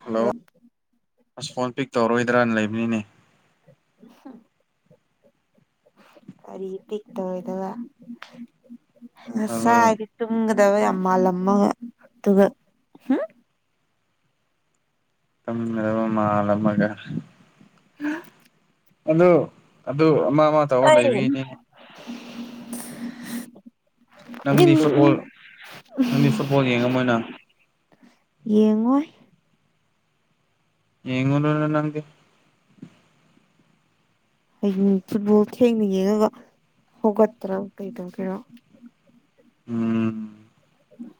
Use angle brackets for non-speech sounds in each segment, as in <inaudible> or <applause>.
hello ꯑꯁ phone pick ꯇꯧꯔꯣꯏꯗ꯭ꯔꯥꯅ ꯂꯩꯕꯅꯤꯅꯦ <unintelligible> ꯀꯔꯤ ꯄꯤꯛ ꯇꯧꯔꯣꯏꯗꯕ ꯑꯗꯣ ꯉꯁꯥꯏꯗꯤ ꯇꯨꯝꯒꯗꯕ ꯌꯥꯝ ꯃꯥꯜꯂꯝꯃꯒ ꯑꯗꯨꯒ ꯇꯝꯒꯗꯕ ꯃꯥꯜꯂꯝꯃꯒ ꯑꯗ ꯑꯗꯨ ꯑꯃꯥ ꯃꯥ ꯑꯩ ꯅꯪꯗꯤ ꯐꯨꯠꯕꯣꯜ ꯅꯪꯗꯤ ꯐꯨꯠꯕꯣꯜ <unintelligible> ꯌꯦꯡꯉꯝꯃꯣꯏꯅ ꯌꯦꯡꯉꯣꯏ ꯌꯦꯡꯉꯨꯔꯥꯅꯨ ꯅꯪꯗꯤ ꯍꯌꯦꯡ ꯐꯨꯠꯕꯣꯜ ꯊꯦꯡꯅ ꯌꯦꯡꯉꯒ ꯍꯧꯒꯠꯇ꯭ꯔꯕ ꯀꯩꯗꯧꯒꯦꯔꯣ ꯎꯝ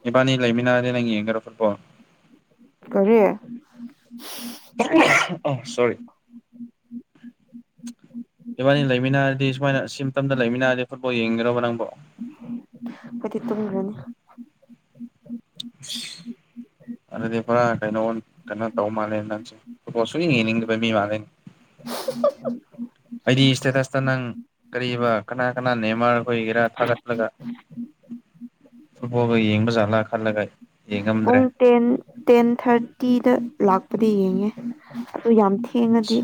ꯏꯕꯥꯅꯤ ꯂꯩꯃꯤꯟꯅꯔꯗꯤ ꯅꯪ ꯌꯦꯡꯒꯦꯔꯣ ꯐꯨꯠꯕꯣꯜ ꯀꯔꯤ ꯑ ꯁꯣꯔꯤ ꯏꯕꯥꯅꯤ ꯂꯩꯃꯤꯟꯅꯔꯗꯤ ꯁꯨꯃꯥꯏꯅ ꯁꯤꯝꯇꯝꯗ ꯂꯩꯃꯤꯟꯅꯔꯗꯤ ꯐꯨꯠꯕꯣꯜ ꯌꯦꯡꯒꯦꯔꯕ ꯅꯪꯕꯣ ꯈꯣꯏꯗꯤ ꯇꯨꯝꯒ꯭ꯔꯅꯤ ꯁꯤ ꯑꯗꯨꯗꯤ ꯄꯨꯔꯥ ꯀꯩꯅꯣ ꯀꯩꯅꯣ ꯇꯧ ꯃꯥꯜꯂꯦ ꯅꯪꯁꯦ ꯐꯨꯠꯕꯣꯜ ꯁꯨꯌꯦꯡ ꯌꯦꯡꯅꯤꯡꯗꯕ ꯃꯤ ꯃꯥꯜꯂꯦꯅꯦ <inaudible> ꯑꯩꯗꯤ ꯁ꯭ꯇꯦꯇꯁꯇ ꯅꯪ ꯀꯔꯤꯕ ꯀꯅꯥ ꯀꯅꯥ ꯅꯦꯃꯔ ꯍꯣꯏꯒꯦꯔꯥ ꯊꯥꯒꯠꯂꯒ ꯐꯨꯠꯕꯣꯜꯒ ꯌꯦꯡꯕꯖꯥꯠꯂꯥ ꯈꯜꯂꯒ ꯌꯦꯡꯉꯝꯗ꯭ꯔꯦ ꯄꯨꯡ ꯇꯦꯟ ꯇꯦꯟꯊꯥꯔꯇꯤꯗ ꯂꯥꯛꯄꯗꯤ ꯌꯦꯡꯉꯦ ꯑꯗꯨ ꯌꯥꯝ ꯊꯦꯡꯉꯗꯤ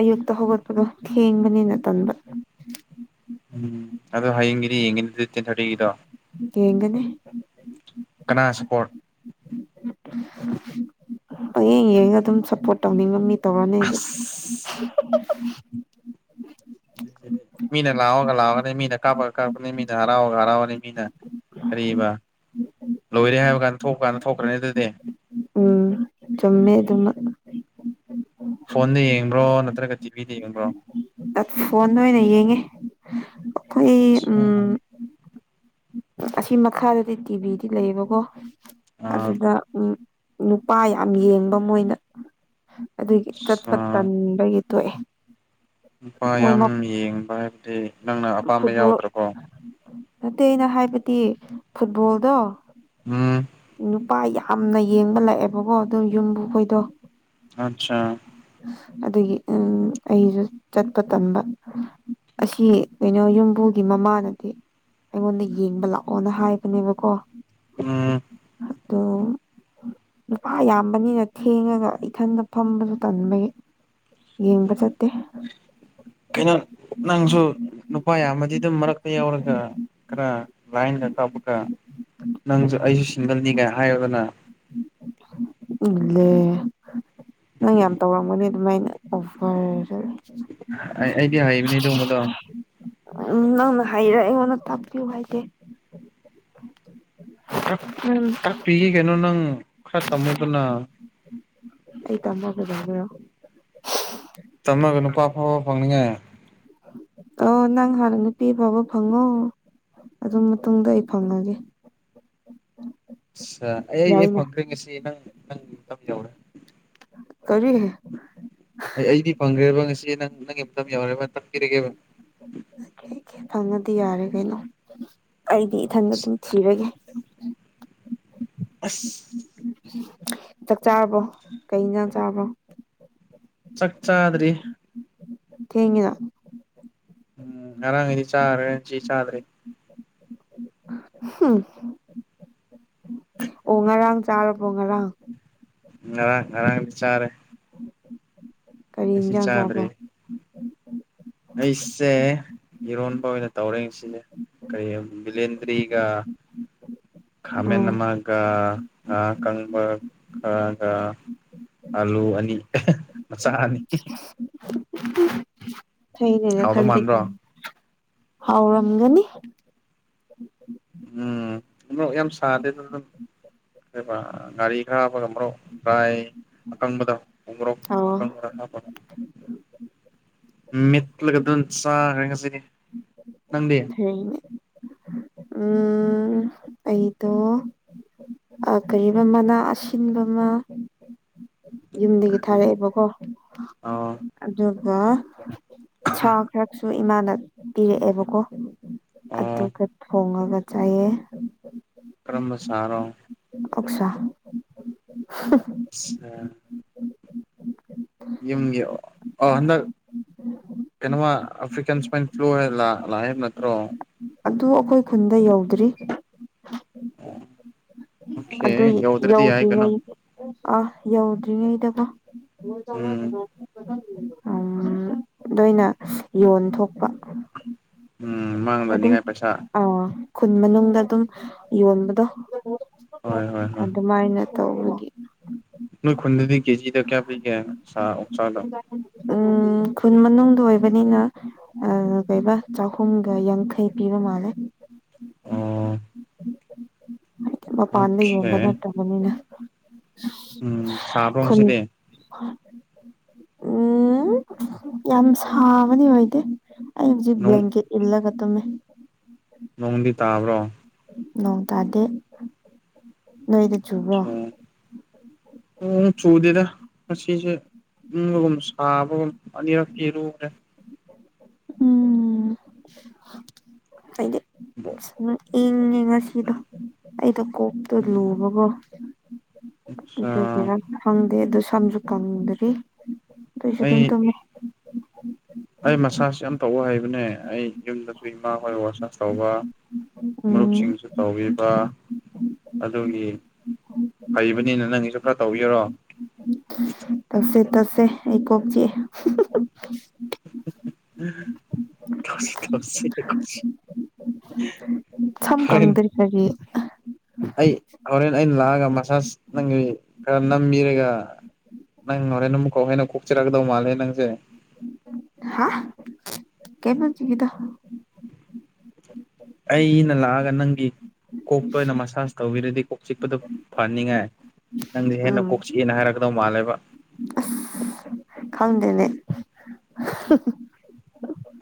ꯑꯌꯨꯛꯇ ꯍꯧꯒꯠꯄꯗꯣ ꯊꯦꯡꯕꯅꯤꯅ ꯇꯟꯕ ꯎꯝ ꯑꯗꯣ ꯍꯌꯦꯡꯒꯤꯗꯤ ꯌꯦꯡꯒꯤꯅꯤ ꯑꯗꯨꯗꯤ ꯇꯦꯟ ꯊꯥꯔꯇꯤꯒꯤꯗꯣ ꯌꯦꯡꯒꯅꯤ ꯀꯅꯥ ꯁꯞꯄꯣꯔꯠ ꯄꯌꯦꯡ ꯌꯦꯡꯉ ꯑꯗꯨꯝ ꯁꯞꯄꯣꯔꯠ ꯇꯧꯅꯤꯡꯕ ꯃꯤ ꯇꯧꯔꯅꯤ ꯑꯩꯗꯤ ꯑꯁ ꯃꯤꯅ ꯂꯥꯎꯑꯒ ꯂꯥꯎꯒꯅꯤ ꯃꯤꯅ ꯀꯥꯞꯄꯒ ꯀꯥꯞꯀꯅꯤ ꯃꯤꯅ ꯍꯔꯥꯎꯔꯒ ꯍꯔꯥꯎꯒꯅꯤ ꯃꯤꯅ ꯀꯔꯤꯕ ꯂꯣꯏꯔꯦ ꯍꯥꯏꯕ ꯀꯥꯟꯗ ꯊꯣꯛꯄ ꯀꯥꯟ ꯊꯣꯛꯈ꯭ꯔꯦ ꯍꯥꯏꯗꯨꯗꯤ ꯎꯝ ꯆꯨꯝꯃꯦ ꯑꯗꯨꯃꯛ ꯐꯣꯟꯗ ꯌꯦꯡꯕ꯭ꯔꯣ ꯅꯠꯇ꯭ꯔꯒ ꯇꯤꯚꯤꯗ ꯌꯦꯡꯕ꯭ꯔꯣ ꯑ ꯐꯣꯟꯗ ꯑꯣꯏꯅ ꯌꯦꯡꯉꯦ ꯑꯈꯣꯏ ꯎꯝ ꯑꯁꯤ ꯃꯈꯥꯗꯗꯤ ꯇꯤꯚꯤꯗꯤ ꯂꯩꯌꯦꯕꯀꯣ ꯑꯥ ꯑꯗꯨꯗ ꯎꯝ ꯅꯨꯄꯥ ꯌꯥꯝ ꯌꯦꯡꯕ ꯃꯣꯏꯅ ꯑꯗꯨꯒꯤ ꯆꯠꯄ ꯑꯥ ꯇꯟꯕꯒꯤ ꯇꯣꯛꯑꯦ ꯅꯨꯄꯥ ꯃꯣꯏ ꯌꯥꯝ ꯌꯦꯡꯕ ꯍꯥꯏꯕꯗꯤ ꯅꯪꯅ ꯑꯄꯥꯝꯕ ꯐꯨꯠꯕꯣꯜ ꯌꯥꯎꯗ꯭ꯔꯥꯕꯣ ꯅꯠꯇꯦ ꯑꯩꯅ ꯍꯥꯏꯕꯗꯤ ꯐꯨꯠꯕꯣꯜꯗꯣ ꯎꯝ ꯅꯨꯄꯥ ꯌꯥꯝꯅ ꯌꯦꯡꯕ ꯂꯥꯛꯑꯦꯕꯀꯣ ꯑꯗꯨ ꯌꯨꯝꯕꯨ ꯈꯣꯏꯗꯣ ꯑꯆꯥ ꯑꯗꯨꯒꯤ ꯎꯝ ꯑꯩꯖꯨ ꯆꯠꯄ ꯇꯟꯕ ꯑꯁꯤ ꯀꯩꯅꯣ ꯌꯨꯝꯕꯨꯒꯤ ꯃꯃꯥꯅꯗꯤ ꯑꯩꯉꯣꯟꯗ ꯌꯦꯡꯕ ꯂꯥꯛꯑꯣ ꯑꯣꯅ ꯍꯥꯏꯕꯅꯦꯕꯀꯣ ꯎꯝ ꯑꯗꯣ ꯅꯨꯄꯥ ꯌꯥꯝꯕꯅꯤꯅ ꯊꯦꯡꯉꯒꯥ ꯏꯊꯟꯗ ꯐꯝꯕꯖꯨ ꯇꯟꯕꯒꯤ ꯌꯦꯡꯕ ꯆꯠꯇꯦ ꯀꯩꯅꯣ ꯅꯪꯁꯨ ꯅꯨꯄꯥ ꯌꯥꯝꯃꯗꯤ ꯑꯗꯨꯝ ꯃꯔꯛꯇꯥ ꯌꯥꯎꯔꯒ ꯈꯔ ꯂꯥꯏꯟꯒ ꯀꯥꯞꯄꯒ ꯅꯪꯖꯨ ꯑꯩꯖꯨ ꯁꯤꯡꯒꯜꯅꯤꯒꯥ ꯍꯥꯏꯔꯣꯗꯅ ꯏꯂꯦ ꯅꯪ ꯌꯥꯝ ꯇꯧꯔꯝꯒꯅꯤ ꯑꯗꯨꯃꯥꯏꯅ ꯑꯣꯐꯔ ꯑꯩꯗꯤ ꯍꯩꯕꯅꯦ ꯑꯗꯨꯝꯕꯗꯣ ꯎꯝ ꯅꯪꯅ ꯍꯥꯏꯔ ꯑꯩꯉꯣꯟꯗ ꯇꯥꯛꯄꯤꯌꯨ ꯍꯥꯏꯗꯦ ꯇꯥꯛ ꯎꯝ ꯇꯥꯛꯄꯤꯒꯦ ꯀꯩꯅꯣ ꯅꯪ ꯈꯔ ꯇꯝꯃꯨꯗꯅ ꯑꯩ ꯇꯃꯥ ꯀꯩꯗꯧꯗꯣꯏꯔꯣ ꯇꯝꯃꯒꯥ ꯅꯨꯄꯥ ꯐꯕ ꯐꯪꯅꯤꯡꯉꯥꯏ ꯑꯧ ꯅꯪ ꯍꯥꯟꯅ ꯅꯨꯄꯤ ꯑꯐꯥꯕ ꯐꯪꯉꯣ ꯑꯗꯨ ꯃꯇꯨꯡꯗ ꯑꯩ ꯐꯪꯉꯒꯦ ꯑꯁꯥ ꯑꯩ ꯑꯦ ꯌꯥꯏꯅ ꯐꯪꯈ꯭ꯔꯦ ꯉꯁꯤ ꯅꯪ ꯅꯪꯪ ꯌꯧꯔꯦ ꯀꯔꯤ ꯑꯩ ꯑꯩꯗꯤ ꯐꯪꯈ꯭ꯔꯦꯕ ꯉꯁꯤ ꯅꯪ ꯅꯪꯒꯤ ꯃꯇꯝ ꯌꯧꯔꯦꯕ ꯇꯝꯕꯤꯔꯒꯦꯕ ꯀꯦꯀꯦ ꯐꯪꯉꯥꯗꯤ ꯌꯥꯔꯦ ꯀꯩꯅꯣ ꯑꯩꯗꯤ ꯏꯊꯟꯗ ꯑꯗꯨꯝ ꯊꯤꯔꯒꯦ ꯑꯁ ꯆꯥꯛ ꯆꯥꯔꯕꯣ ꯀꯩꯏꯟꯖꯥꯡ ꯆꯥꯕ꯭ꯔꯣ ꯆꯥꯛ ꯆꯥꯗ꯭ꯔꯤ ꯊꯦꯡꯉꯤꯅ ꯎꯝ ꯉꯔꯥꯡꯉꯩꯗꯤ ꯆꯥꯒ꯭ꯔꯦ ꯁꯤ ꯆꯥꯗ꯭ꯔꯤ ꯍꯝ ꯑꯣ ꯉꯔꯥꯡ ꯆꯥꯔꯕꯣ ꯉꯔꯥꯡ ꯉꯔꯥꯡ ꯉꯔꯥꯡ ꯆꯥꯔꯦ ꯀꯔꯤ ꯉꯁꯤ ꯏꯟꯖꯥꯡ ꯆꯥꯕ꯭ꯔꯣ ꯆꯥꯗ꯭ꯔꯤ ꯑꯩꯁꯦ ꯏꯔꯣꯟꯕ ꯑꯣꯏꯅ ꯇꯧꯔꯦ ꯉꯁꯤꯁꯦ ꯀꯩ ꯕꯤꯂꯦꯟꯗꯔꯤꯒꯥ ꯈꯃꯦꯟ ꯑꯣ ꯅꯃꯥ ꯀꯔꯥ ꯉꯥ ꯀꯪꯕ ꯈꯔꯒ ꯑꯥꯂꯨ ꯑꯅꯤ ꯃꯆꯥꯅꯤ ꯐꯩꯅꯦ ꯍꯥꯎꯗꯧ ꯅꯊꯟꯇꯥꯒꯤ ꯃꯥꯟꯕ꯭ꯔꯣ ꯍꯥꯎꯔꯝꯒꯅꯤ ꯎꯝ ꯃꯣꯔꯣꯛ ꯌꯥꯝ ꯁꯥꯗꯦ ꯑꯗꯨꯝ ꯉꯥꯔꯤ ꯈꯔ ꯍꯥꯞꯄꯒ ꯃꯣꯔꯣꯛ ꯗ꯭ꯔꯥꯏ ꯑꯀꯪꯕꯗꯣ ꯎꯃꯣꯔꯣꯛ ꯑꯣ ꯑꯀꯪꯕ ꯍꯥꯞꯄꯒꯥ ꯃꯤꯠꯂꯒꯥ ꯑꯗꯨꯝ ꯆꯥꯒ꯭ꯔꯦ ꯉꯁꯤꯗꯤ ꯅꯪꯗꯤ ꯎꯝ ꯑꯩꯗꯣ ꯀꯔꯤꯕ ꯃꯅꯥ ꯑꯁꯤꯟꯕ ꯑꯃ ꯌꯨꯝꯗꯒꯤ ꯊꯥꯔꯛꯑꯦꯕꯀꯣ ꯑꯣ ꯑꯗꯨꯒ ꯁꯥ ꯈꯔ ꯁꯨ ꯏꯃꯥꯅ ꯄꯤꯔꯛꯑꯦꯕꯀꯣ ꯑꯣ ꯑꯗꯨꯒ ꯊꯣꯡꯉꯒ ꯆꯥꯏꯌꯦ ꯀꯔꯝꯕ ꯁꯔꯣ ꯑꫭꯛꯁꯥ <unintelligible> ꯑꯆꯥ ꯌꯨꯝꯒꯤ ꯑ ꯍꯟꯗꯛ ꯀꯩꯅꯣꯃ ꯑꯐ꯭ꯔꯤꯀꯥꯟ ꯁꯋꯥꯏꯟ ꯐ꯭ꯂꯨ ꯍꯥꯏ ꯂꯥꯛꯑꯦꯕ ꯅꯠꯇ꯭ꯔꯣ ꯑꯗꯨ ꯑꯩꯈꯣꯏ ꯈꯨꯟꯗ ꯌꯧꯗ꯭ꯔꯤ ꯑꯣ ꯑꯣꯀꯦ ꯑꯗꯨ ꯌꯧꯗ꯭ꯔꯗꯤ ꯌꯥꯏ ꯀꯩꯅꯣ ꯌꯧꯗ꯭ꯔꯤꯉꯩ ꯑꯥ ꯌꯧꯗ꯭ꯔꯤꯉꯩꯗꯀꯣ ꯎꯝ ꯎꯝ ꯅꯣꯏꯅ ꯌꯣꯟ ꯊꯣꯛꯄ ꯎꯝ ꯃꯥꯡꯗꯅꯤꯉꯥꯏ ꯄꯩꯁꯥ ꯑꯥ ꯈꯨꯟ ꯃꯅꯨꯡꯗ ꯑꯗꯨꯝ ꯌꯣꯟꯕꯗꯣ ꯍꯣꯏ ꯍꯣꯏ ꯍꯣꯏ ꯑꯗꯨꯃꯥꯏꯅ ꯇꯧꯕꯒꯤ ꯅꯣꯏ ꯈꯨꯟꯗꯗꯤ ꯀꯦꯖꯤꯗ ꯀꯌꯥ ꯄꯤꯒꯦ ꯑꯣꯛꯁꯥꯗꯣ ꯎꯝ ꯈꯨꯟ ꯃꯅꯨꯡꯗ ꯑꯣꯏꯕꯅꯤꯅ ꯀꯩꯕ ꯆꯍꯨꯝꯒ ꯌꯥꯡꯈꯩ ꯄꯤꯕ ꯃꯥꯜꯂꯦ ꯑꯣ ꯃꯄꯥꯟꯗ ꯌꯣꯟꯕ ꯑꯣꯀꯦ ꯅꯠꯇꯕꯅꯤꯅꯥ ꯎꯝ ꯁꯕ꯭ꯔꯣ ꯉꯥꯁꯤꯗꯤ ꯎꯝ ꯌꯥꯝ ꯁꯥꯕꯅꯤ ꯑꯣꯏꯗꯦ ꯑꯩ ꯍꯧꯖꯤꯛ ꯅꯣꯡ ꯕꯂꯥꯟꯀꯦꯠ ꯏꯟꯂꯒ ꯇꯨꯝꯃꯦ ꯅꯣꯡꯗꯤ ꯇꯥꯕ꯭ꯔꯣ ꯅꯣꯡ ꯇꯥꯗꯦ ꯅꯣꯏꯗ ꯆꯨꯕ꯭ꯔꯣ ꯅꯣꯡ ꯆꯨꯗꯦꯗ ꯉꯥꯁꯤꯁꯦ ꯏꯪꯕꯒꯨꯝ ꯁꯥꯕꯒꯨꯝ ꯑꯅꯤꯔꯛꯇꯤ ꯏꯔꯨꯈꯔꯦ ꯎꯝ ꯍꯥꯏꯗꯤ ꯁꯨꯃꯥꯏ ꯏꯪꯉꯦ ꯉꯁꯤꯗꯣ ꯑꯩꯗꯣ ꯀꯣꯛꯇꯣ ꯂꯨꯕꯀꯣ ꯑꯗꯨꯒꯤꯔ ꯈꯪꯗꯦ ꯑꯗꯨ ꯁꯝꯁꯨ ꯀꯪꯗꯔꯤ ꯑꯗꯨꯏꯁꯨ ꯑꯩ ꯑꯗꯨꯝ ꯇꯨꯝ ꯑꯩ ꯃꯁꯥꯥꯁ ꯌꯥꯝ ꯇꯧꯕ ꯍꯩꯕꯅꯦ ꯑꯩ ꯌꯨꯝꯗꯁꯨ ꯏꯃꯥ ꯍꯣꯏ ꯃꯥꯁꯥꯁ ꯇꯧꯕ ꯎꯝ ꯃꯔꯨꯞꯁꯤꯡꯁꯨ ꯇꯧꯕꯤꯕ ꯑꯗꯨꯒꯤ ꯍꯩꯕꯅꯤꯅ ꯅꯪꯒꯤꯁꯨ ꯈꯔ ꯇꯧꯕꯤꯔꯣ ꯇꯠꯁꯦ ꯇꯠꯁꯦ ꯑꯩ ꯀꯣꯛ ꯆꯤꯛꯌꯦ <unintelligible> ꯊꯁꯤ ꯊꯁꯤ ꯈꯁꯤ <unintelligible> ꯁꯝ ꯍꯣꯔꯦꯟ ꯀꯪꯗꯔꯤꯀꯒꯤ ꯑꯩ ꯍꯣꯔꯦꯟ ꯑꯩꯅ ꯂꯥꯛꯑꯒ ꯃꯁꯥꯥꯁ ꯅꯪꯒꯤ ꯈꯔ ꯅꯝꯕꯤꯔꯒ ꯅꯪ ꯍꯣꯔꯦꯟ ꯅꯝꯎ ꯍꯩꯟꯅ ꯀꯣꯛꯆꯔꯥꯒꯗꯧ ꯃꯥꯂꯦ ꯅꯪꯁꯦ ꯍꯥ ꯀꯩꯕꯥ ꯍꯧꯖꯤꯛꯀꯤꯗꯣ ꯑꯩꯅ ꯂꯥꯛꯑꯒ ꯅꯪꯒꯤ ꯀꯣꯛꯇ ꯑꯣꯏꯅ ꯃꯁꯥꯁ ꯇꯧꯕꯤꯔꯗꯤ ꯀꯣꯛ ꯆꯤꯛꯄꯗ ꯐꯅꯤꯡꯉꯥꯏ ꯅꯪꯗꯤ ꯎꯝ ꯍꯦꯟꯅ ꯀꯣꯛ ꯆꯤꯛ ꯑꯦꯅ ꯍꯥꯏꯔꯛꯀꯗꯧ ꯃꯥꯜꯂꯦꯕ ꯈꯪꯗꯦꯅꯦ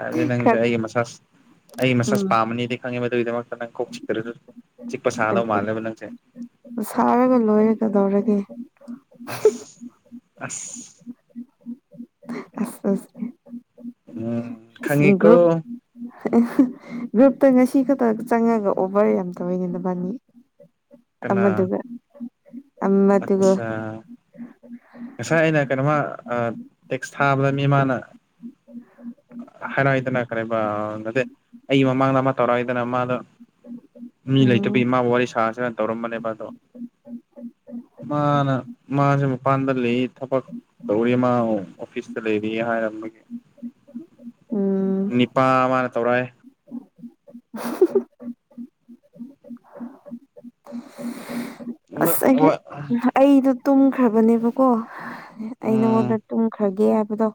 ꯑꯗꯨꯗꯤ ꯅꯪꯁꯦ ꯈꯔ ꯑꯩꯒꯤ ꯃꯁꯥꯥꯁ ꯑꯩ ꯃꯁꯥꯁ ꯎꯝ ꯄꯥꯝꯝꯕꯅꯤꯗꯤ ꯈꯪꯉꯦꯕ ꯑꯗꯨꯗꯨꯒꯤꯗꯃꯛꯇ ꯅꯪ ꯀꯣꯛ ꯆꯤꯛꯛꯇ꯭ꯔꯁꯨ ꯆꯤꯛꯄ ꯁꯥꯗꯧ ꯃꯥꯜꯂꯦꯕ ꯅꯪꯁꯦ ꯁꯥꯔꯒ ꯂꯣꯏꯔꯑꯦ ꯀꯥꯗꯧꯔꯒꯦ ꯑꯁ ꯑꯁ ꯑꯁ ꯎꯝ ꯑꯁ ꯈꯪꯉꯦꯀꯣ ꯒꯔꯨꯞ ꯒ꯭ꯔꯨꯞꯇ ꯉꯁꯤ ꯈꯛꯇ ꯆꯪꯉꯒ ꯑꯣꯚꯔ ꯌꯥꯝ ꯇꯧꯋꯤꯅꯦꯅꯕꯥꯅꯤ ꯑꯃꯗꯨꯒ ꯑꯃꯗꯨꯒ ꯑꯆꯥ ꯉꯁꯥꯏ ꯑꯩꯅ ꯀꯩꯅꯣꯃ ꯇꯦꯛꯁ ꯊꯥꯕꯗ ꯃꯤ ꯃꯥꯅ <unintelligible> ꯀꯔꯤꯕ ꯅꯠꯇꯦ ꯑꯩꯒꯤ ꯃꯃꯥꯡꯗ ꯑꯃ ꯇꯧꯔꯛꯏꯗꯅ ꯃꯥꯗꯣ ꯃꯤ ꯎꯝ ꯂꯩꯇꯕꯤꯒꯤ ꯃꯥꯥꯕꯨ ꯋꯥꯔꯤ ꯁꯥꯁꯤꯔ ꯇꯧꯔꯝꯕꯅꯦꯕ ꯑꯗꯣ ꯃꯥꯅ ꯃꯥꯖꯦ ꯃꯄꯥꯟꯗ ꯂꯩꯌꯦ ꯊꯕꯛ ꯇꯧꯔꯤ ꯃꯥ ꯑꯣꯐꯤꯁꯇ ꯂꯩꯔꯤ ꯍꯥꯏꯔꯝꯕꯒꯤ <inaudible> ꯎꯝ ꯅꯤꯄꯥ ꯑꯃꯔ ꯇꯧꯔꯛ ꯑꯦ ꯑꯁ ꯑꯩꯖꯨ ꯅꯍ ꯑꯩꯗꯣ ꯇꯨꯝꯈ꯭ꯔꯕꯅꯦꯕꯀꯣ ꯑꯩ ꯎꯝ ꯅꯪꯉꯣꯟꯗ ꯇꯨꯝꯈ꯭ꯔꯒꯦ ꯍꯥꯏꯕꯗꯣ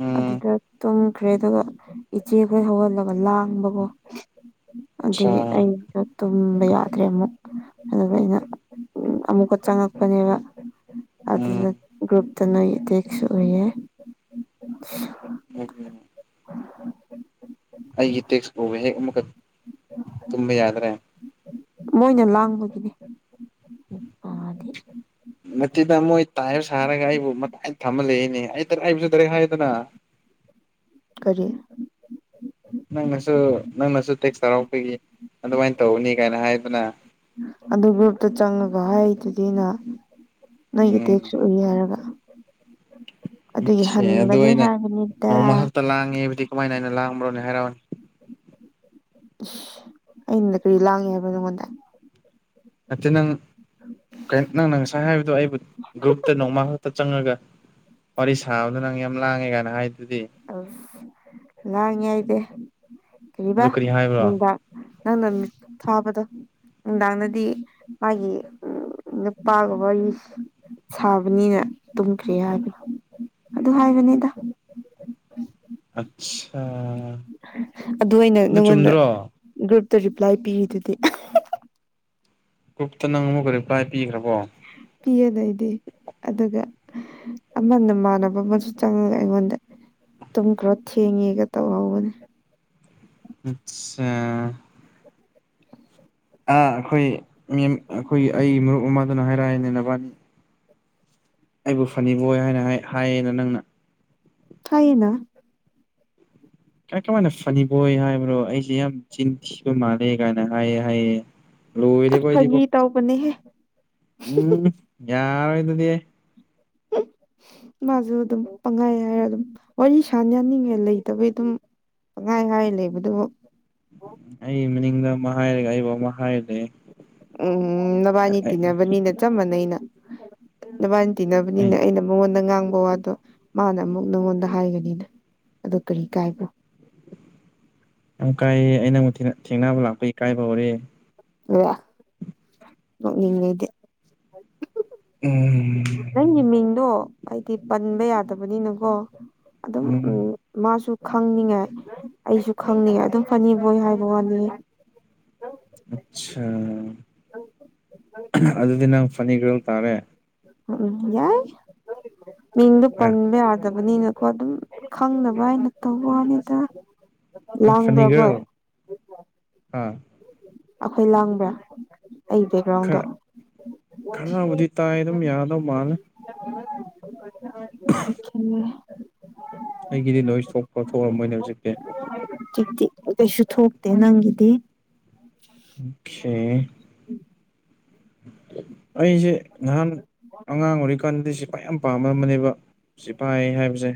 ꯎꯝ ꯑꯗꯨꯗ ꯇꯨꯝ ꯈ꯭ꯔꯦ ꯑꯗꯨꯒ ꯏꯆꯦ ꯈꯣꯏ ꯍꯧꯒꯠꯂꯒ ꯂꯥꯡꯕꯒꯣ ꯑꯆꯥ ꯑꯗꯨꯏ ꯑꯩ ꯇꯨꯝꯕ ꯌꯥꯗ꯭ꯔꯦ ꯑꯃꯨꯛ ꯑꯗꯨꯒ ꯑꯩꯅ ꯑꯃꯨꯛꯀ ꯆꯪꯉꯛꯄꯅꯦꯕ ꯎꯝ ꯑꯗꯨꯗ ꯒ꯭ꯔꯨꯞꯇ ꯅꯣꯏ ꯇꯦꯛꯁ ꯎꯏꯌꯦ <inaudible> ꯑꯩꯒꯤ ꯇꯦꯛꯁ ꯎꯕꯒ ꯍꯦꯛ ꯑꯃꯨꯛꯀ ꯇꯨꯝꯕ ꯌꯥꯗ꯭ꯔꯦ ꯃꯣꯏꯅ ꯂꯥꯡꯕꯒꯤꯅꯦ ꯑꯥꯗꯤ ꯅꯠꯇꯤꯗ ꯃꯣꯏ ꯇꯥꯏꯕ ꯁꯥꯔꯒ ꯑꯩꯕꯨ ꯃꯇꯥꯏ ꯊꯝꯃꯂꯩꯌꯦꯅꯦ ꯑꯩ ꯗꯔ ꯑꯩꯕꯨꯁꯨ ꯗꯔꯦꯛ ꯍꯥꯏꯔꯦꯗꯅ ꯀꯔꯤ ꯅꯪꯅꯁꯨ ꯅꯪꯅꯁꯨ ꯇꯦꯛꯁ ꯇꯧꯔꯛꯄꯒꯤ ꯑꯗꯨꯃꯥꯏꯟ ꯇꯧꯕꯅꯤ ꯀꯥꯏꯅ ꯍꯥꯏꯌꯨꯗꯅ ꯑꯗꯨ ꯒ꯭ꯔꯨꯞꯇ ꯆꯪꯉꯒ ꯍꯥꯏꯗꯨꯗꯤ ꯑꯩꯅ ꯅꯣꯏꯒꯤ ꯎꯝ ꯇꯦꯛꯁꯨ ꯎꯏ ꯍꯥꯏꯔꯒ ꯑꯗꯨꯒꯤ <unintelligible> ꯑꯗꯨ ꯍꯟꯕꯅꯤ ꯑꯩꯅ ꯍꯥꯏꯕꯅꯤꯗ ꯅꯣꯡꯃꯈꯛꯇ ꯂꯥꯡꯉꯦ ꯍꯥꯏꯕꯗꯤ ꯀꯃꯥꯏꯅ ꯑꯩꯅ ꯂꯥꯡꯕ꯭ꯔꯣꯅꯦ ꯍꯥꯏꯔꯑꯣꯅꯦ ꯏꯁ ꯑꯩꯅ ꯀꯔꯤ ꯂꯥꯡꯉꯦ ꯍꯥꯏꯕ꯭ꯔ ꯅꯪꯉꯣꯟꯗ ꯅꯠꯇꯦ ꯅꯪ ꯀꯩꯟ ꯅꯪꯅ ꯉꯁꯥꯏ ꯍꯥꯏꯕꯗꯣ ꯑꯩꯕꯨ ꯒ꯭ꯔꯨꯞꯇ ꯅꯣꯡꯃ ꯈꯛꯇ ꯆꯪꯉꯒ ꯋꯥꯔꯤ ꯁꯥꯕꯗ ꯅꯪ ꯌꯥꯝ ꯂꯥꯡꯉꯦ ꯀꯥꯏꯅ ꯍꯥꯏ ꯑꯁ ꯂꯥꯡꯉꯦꯑꯥꯏꯗꯦ ꯀꯔꯤꯕ ꯑꯗꯨ ꯀꯔꯤ ꯍꯥꯏꯕ꯭ꯔꯣ ꯅꯨꯡꯗꯥꯡ ꯅꯪꯅ ꯃꯤꯠ ꯊꯥꯕꯗꯣ ꯅꯨꯡꯗꯥꯡꯗꯗꯤ ꯃꯥꯒꯤ ꯅꯨꯄꯥꯒ ꯋꯥꯔꯤꯁ ꯁꯥꯕꯅꯤꯅ ꯇꯨꯝꯈ꯭ꯔꯦ ꯍꯥꯏꯕꯅꯤ ꯑꯗꯨ ꯍꯥꯏꯕꯅꯤꯗ ꯑꯠꯁꯥ ꯑꯗꯨ ꯑꯩꯅ ꯅꯪꯉꯣꯟꯗ ꯒ꯭ꯔꯨꯞꯇ ꯔꯤꯄ꯭ꯂꯥꯏ ꯄꯤꯔꯤꯗꯨꯗꯤ ꯒ꯭ꯔꯨꯞꯇ ꯅꯪ ꯑꯃꯨꯛꯀ ꯔꯤꯄ꯭ꯂꯥꯏ ꯄꯤꯈ꯭ꯔꯕꯣ ꯄꯤꯌꯦꯅꯦ ꯑꯩꯗꯤ ꯑꯗꯨꯒ ꯑꯃ ꯅꯃꯥꯟꯅꯕ ꯑꯃꯁꯨ ꯆꯪꯉꯒ ꯑꯩꯉꯣꯟꯗ ꯇꯨꯝꯈ꯭ꯔꯣ ꯊꯦꯡꯉꯦꯒ ꯇꯧꯍꯧꯕꯅꯦ ꯑꯠꯁꯥ ꯑꯥ ꯑꯈꯣꯏ ꯃꯦꯝ ꯑꯩꯈꯣꯏ ꯑꯩ ꯃꯔꯨꯞ ꯑꯃꯥꯗꯨꯅ ꯍꯥꯏꯔꯛꯑꯦꯅꯦ ꯅꯕꯥꯅꯤ ꯑꯩꯕꯨ ꯐꯅꯤꯕꯣꯏ ꯍꯥꯏꯅ ꯍꯥꯏ ꯍꯥꯏꯌꯦꯅ ꯅꯪꯅ ꯍꯥꯏꯌꯦꯅ ꯑꯩ ꯀꯃꯥꯏꯅ ꯐꯅꯤꯕꯣꯏ ꯍꯥꯏꯕ꯭ꯔꯣ ꯑꯩꯁꯦ ꯌꯥꯝ ꯆꯤꯟ ꯊꯤꯕ ꯃꯥꯜꯂꯦ ꯀꯥꯏꯅ ꯍꯥꯏꯌꯦ ꯍꯥꯏꯌꯦ ꯑꯁ ꯂꯣꯏꯔꯦꯕꯣ ꯑꯩꯗꯤꯀꯣ ꯐꯥꯒꯤ ꯇꯧꯕꯅꯦꯍꯦ ꯎꯝ ꯌꯥꯔꯣꯏꯗꯨꯗꯤ <inaudible> ꯃꯥꯁꯨ ꯑꯗꯨꯝ ꯄꯪꯍꯥꯏ ꯍꯥꯏꯔ ꯑꯗꯨꯝ ꯋꯥꯔꯤ ꯁꯥꯟꯅꯅꯤꯡꯉꯥꯏ ꯂꯩꯇꯕꯩ ꯑꯗꯨꯝ ꯄꯪꯍꯥꯏ ꯍꯥꯏ ꯂꯩꯕꯗꯨꯕꯨ ꯑꯩ ꯃꯅꯤꯡꯗ ꯑꯃ ꯍꯥꯏꯔꯒ ꯑꯩꯕꯣ ꯑꯃ ꯍꯥꯏ ꯂꯩꯌꯦ ꯎꯝ ꯅꯕꯥꯅꯤ ꯇꯤꯟꯅꯕꯅꯤꯅ ꯆꯞ ꯃꯅꯩꯅ ꯅꯕꯥꯟ ꯑꯩ ꯇꯤꯟꯅꯕꯅꯤꯅ ꯑꯩꯅ ꯃꯉꯣꯟꯗ ꯉꯥꯡꯕ ꯋꯥꯗꯣ ꯃꯥꯅ ꯑꯃꯨꯛ ꯅꯪꯉꯣꯟꯗ ꯍꯥꯏꯒꯅꯤꯅ ꯑꯗꯣ ꯀꯔꯤ ꯀꯥꯏꯕ꯭ꯔꯣ ꯌꯥꯝ ꯀꯥꯏꯌꯦ ꯑꯩ ꯅꯪꯕꯨ ꯊꯦꯡꯅ ꯊꯦꯡꯅꯕ ꯂꯥꯛꯄ ꯏꯀꯥꯏꯕ ꯍꯧꯔꯦ <unintelligible> ꯅꯣꯛꯅꯤꯡꯉꯦ ꯑꯩꯗꯤ ꯎꯝ ꯅꯪꯒꯤ ꯃꯤꯡꯗꯣ ꯍꯥꯏꯗꯤ ꯄꯟꯕ ꯌꯥꯗꯕꯅꯤꯅꯀꯣ ꯑꯗꯨꯝ ꯎꯝ ꯃꯥꯁꯨ ꯈꯪꯅꯤꯡꯉꯦ ꯑꯩꯁꯨ ꯈꯪꯅꯤꯡꯉꯦ ꯑꯗꯨꯝ ꯐꯅꯤ ꯕꯣꯏ ꯍꯥꯏꯕ ꯋꯥꯅꯤ ꯑꯆꯥ ꯑꯗꯨꯗꯤ ꯅꯪ ꯐꯅꯤꯒꯔꯜ ꯇꯥꯔꯦ ꯎꯝ ꯌꯥꯏ ꯃꯤꯡꯗꯨ ꯅꯪ ꯄꯟꯕ ꯌꯥꯗꯕꯅꯤꯅ ꯀꯣ ꯑꯗꯨꯝ ꯈꯪꯅꯕ ꯍꯥꯏꯅ ꯇꯧꯕ ꯋꯥꯅꯤꯗ ꯂꯥꯡꯕ꯭ꯔꯥ ꯈꯣꯏ ꯐꯅꯤꯒꯔꯜ ꯑꯥ ꯑꯩꯈꯣꯏ ꯂꯥꯡꯕ꯭ꯔꯥ ꯑꯩ ꯕꯦꯛꯒ꯭ꯔꯥꯎꯟꯗꯣ ꯈꯔ ꯈꯔꯕꯨꯗꯤ ꯇꯥꯏ ꯑꯗꯨꯝ ꯌꯥꯗꯧ ꯃꯥꯜꯂꯦ <unintelligible> ꯑꯩꯒꯤꯗꯤ ꯅꯣꯏꯁ ꯊꯣꯛꯄ ꯊꯣꯛꯔꯝꯃꯣꯏꯅꯦ ꯍꯧꯖꯤꯛꯇꯤ ꯖꯤꯛꯇꯤ ꯀꯩꯁꯨ ꯊꯣꯛꯇꯦ ꯅꯪꯒꯤꯗꯤ <unintelligible> <unintelligible> ꯑꯩꯁꯦ ꯅꯍꯥꯟ ꯑꯉꯥꯡ ꯑꯣꯏꯔꯤꯀꯥꯟꯗꯗꯤ ꯁꯤ ꯐꯥꯏ ꯌꯥꯝ ꯄꯥꯝꯃꯥꯝꯕꯅꯦꯕ ꯁꯤꯐꯥꯏ ꯍꯥꯏꯕꯁꯦ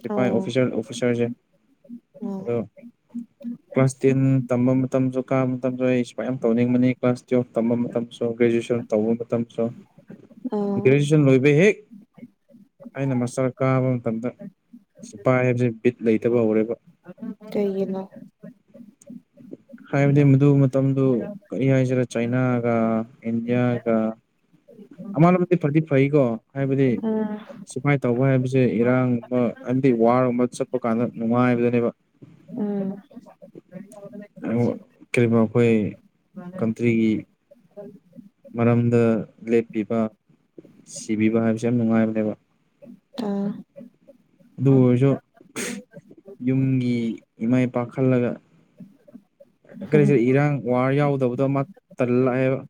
ꯁꯤꯐꯥꯏ ꯑꯣꯐꯤꯁꯔ ꯑꯣꯐꯤꯁꯥꯔꯁꯦ ꯑꯗꯣ ꯎꯝ ꯀ꯭ꯂꯥꯁ ꯇꯦꯟ ꯇꯝꯕ ꯃꯇꯝꯁꯨ ꯀꯥꯕ ꯃꯇꯝꯁꯨ ꯑꯩ ꯁꯨꯃꯥꯏꯅ ꯌꯥꯝ ꯇꯧꯅꯤꯡꯕꯅꯤ ꯀ꯭ꯂꯥꯁ <unintelligible> ꯃꯇꯝꯁꯨ ꯒ꯭ꯔꯦꯖꯨꯏꯁꯟ ꯇꯧꯕ ꯃꯇꯝꯁꯨ ꯑꯥ ꯭ꯒꯔꯦꯖꯨꯌꯦꯁꯟ ꯂꯣꯏꯕ ꯍꯦꯛ ꯑꯩꯅ ꯃꯥꯁꯇ꯭ꯔ ꯀꯥꯕ ꯃꯇꯝꯗ ꯁꯤꯄꯥꯏ ꯍꯥꯏꯕꯖꯦ ꯕꯤꯠ ꯂꯩꯇꯕ ꯍꯧꯔꯦꯕ ꯀꯩꯒꯤꯅꯣ ꯍꯥꯏꯕꯗꯤ ꯃꯗꯨ ꯃꯇꯝꯗꯨ ꯀꯔꯤ ꯍꯥꯏꯁꯤꯔꯦ ꯆꯩꯅꯥꯒ ꯏꯟꯗꯤꯌꯥꯒ ꯑꯃꯂꯣꯝꯗꯗꯤ ꯐꯗꯤ ꯐꯩꯀꯣ ꯍꯥꯏꯕꯗꯤ ꯁꯤꯐꯥꯏ ꯇꯧꯕ ꯍꯥꯏꯕꯁꯦ ꯏꯔꯥꯡꯒꯨꯝꯕ ꯍꯥꯏꯕꯗꯤ ꯋꯥꯔꯒꯨꯝꯕ ꯆꯠꯄ ꯀꯥꯟꯗ ꯅꯨꯡꯉꯥꯏꯕꯗꯅꯦꯕ ꯎꯝ ꯀꯔꯤꯒꯨꯝꯕ ꯑꯩꯈꯣꯏ ꯀꯟꯇ꯭ꯔꯤꯒꯤ ꯃꯔꯝꯗ ꯂꯦꯞꯄꯤꯕ ꯁꯤꯕꯤꯕ ꯍꯥꯏꯕꯁꯦ ꯌꯥꯝ ꯅꯨꯡꯉꯥꯏꯕꯅꯦꯕ ꯎꯝ ꯑꯗꯨ ꯑꯣꯏꯔꯁꯨ ꯌꯨꯝꯒꯤ ꯏꯃꯥ ꯏꯄꯥ ꯈꯜꯂꯒ ꯀꯔꯤꯁꯤ ꯏꯔꯥꯡ ꯋꯥꯔ ꯌꯥꯎꯗꯕꯗꯣ ꯑꯃ ꯇꯜꯂꯥꯛꯑꯦꯕ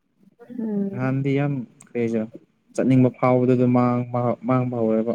ꯎꯝ ꯅꯍꯥꯟꯗꯤ ꯌꯥꯝ ꯀꯔꯤꯁꯦ ꯆꯠꯅꯤꯡꯕ ꯐꯥꯎꯕꯗ ꯑꯗꯨ ꯃꯥꯡꯕ ꯍꯧꯔꯦꯕ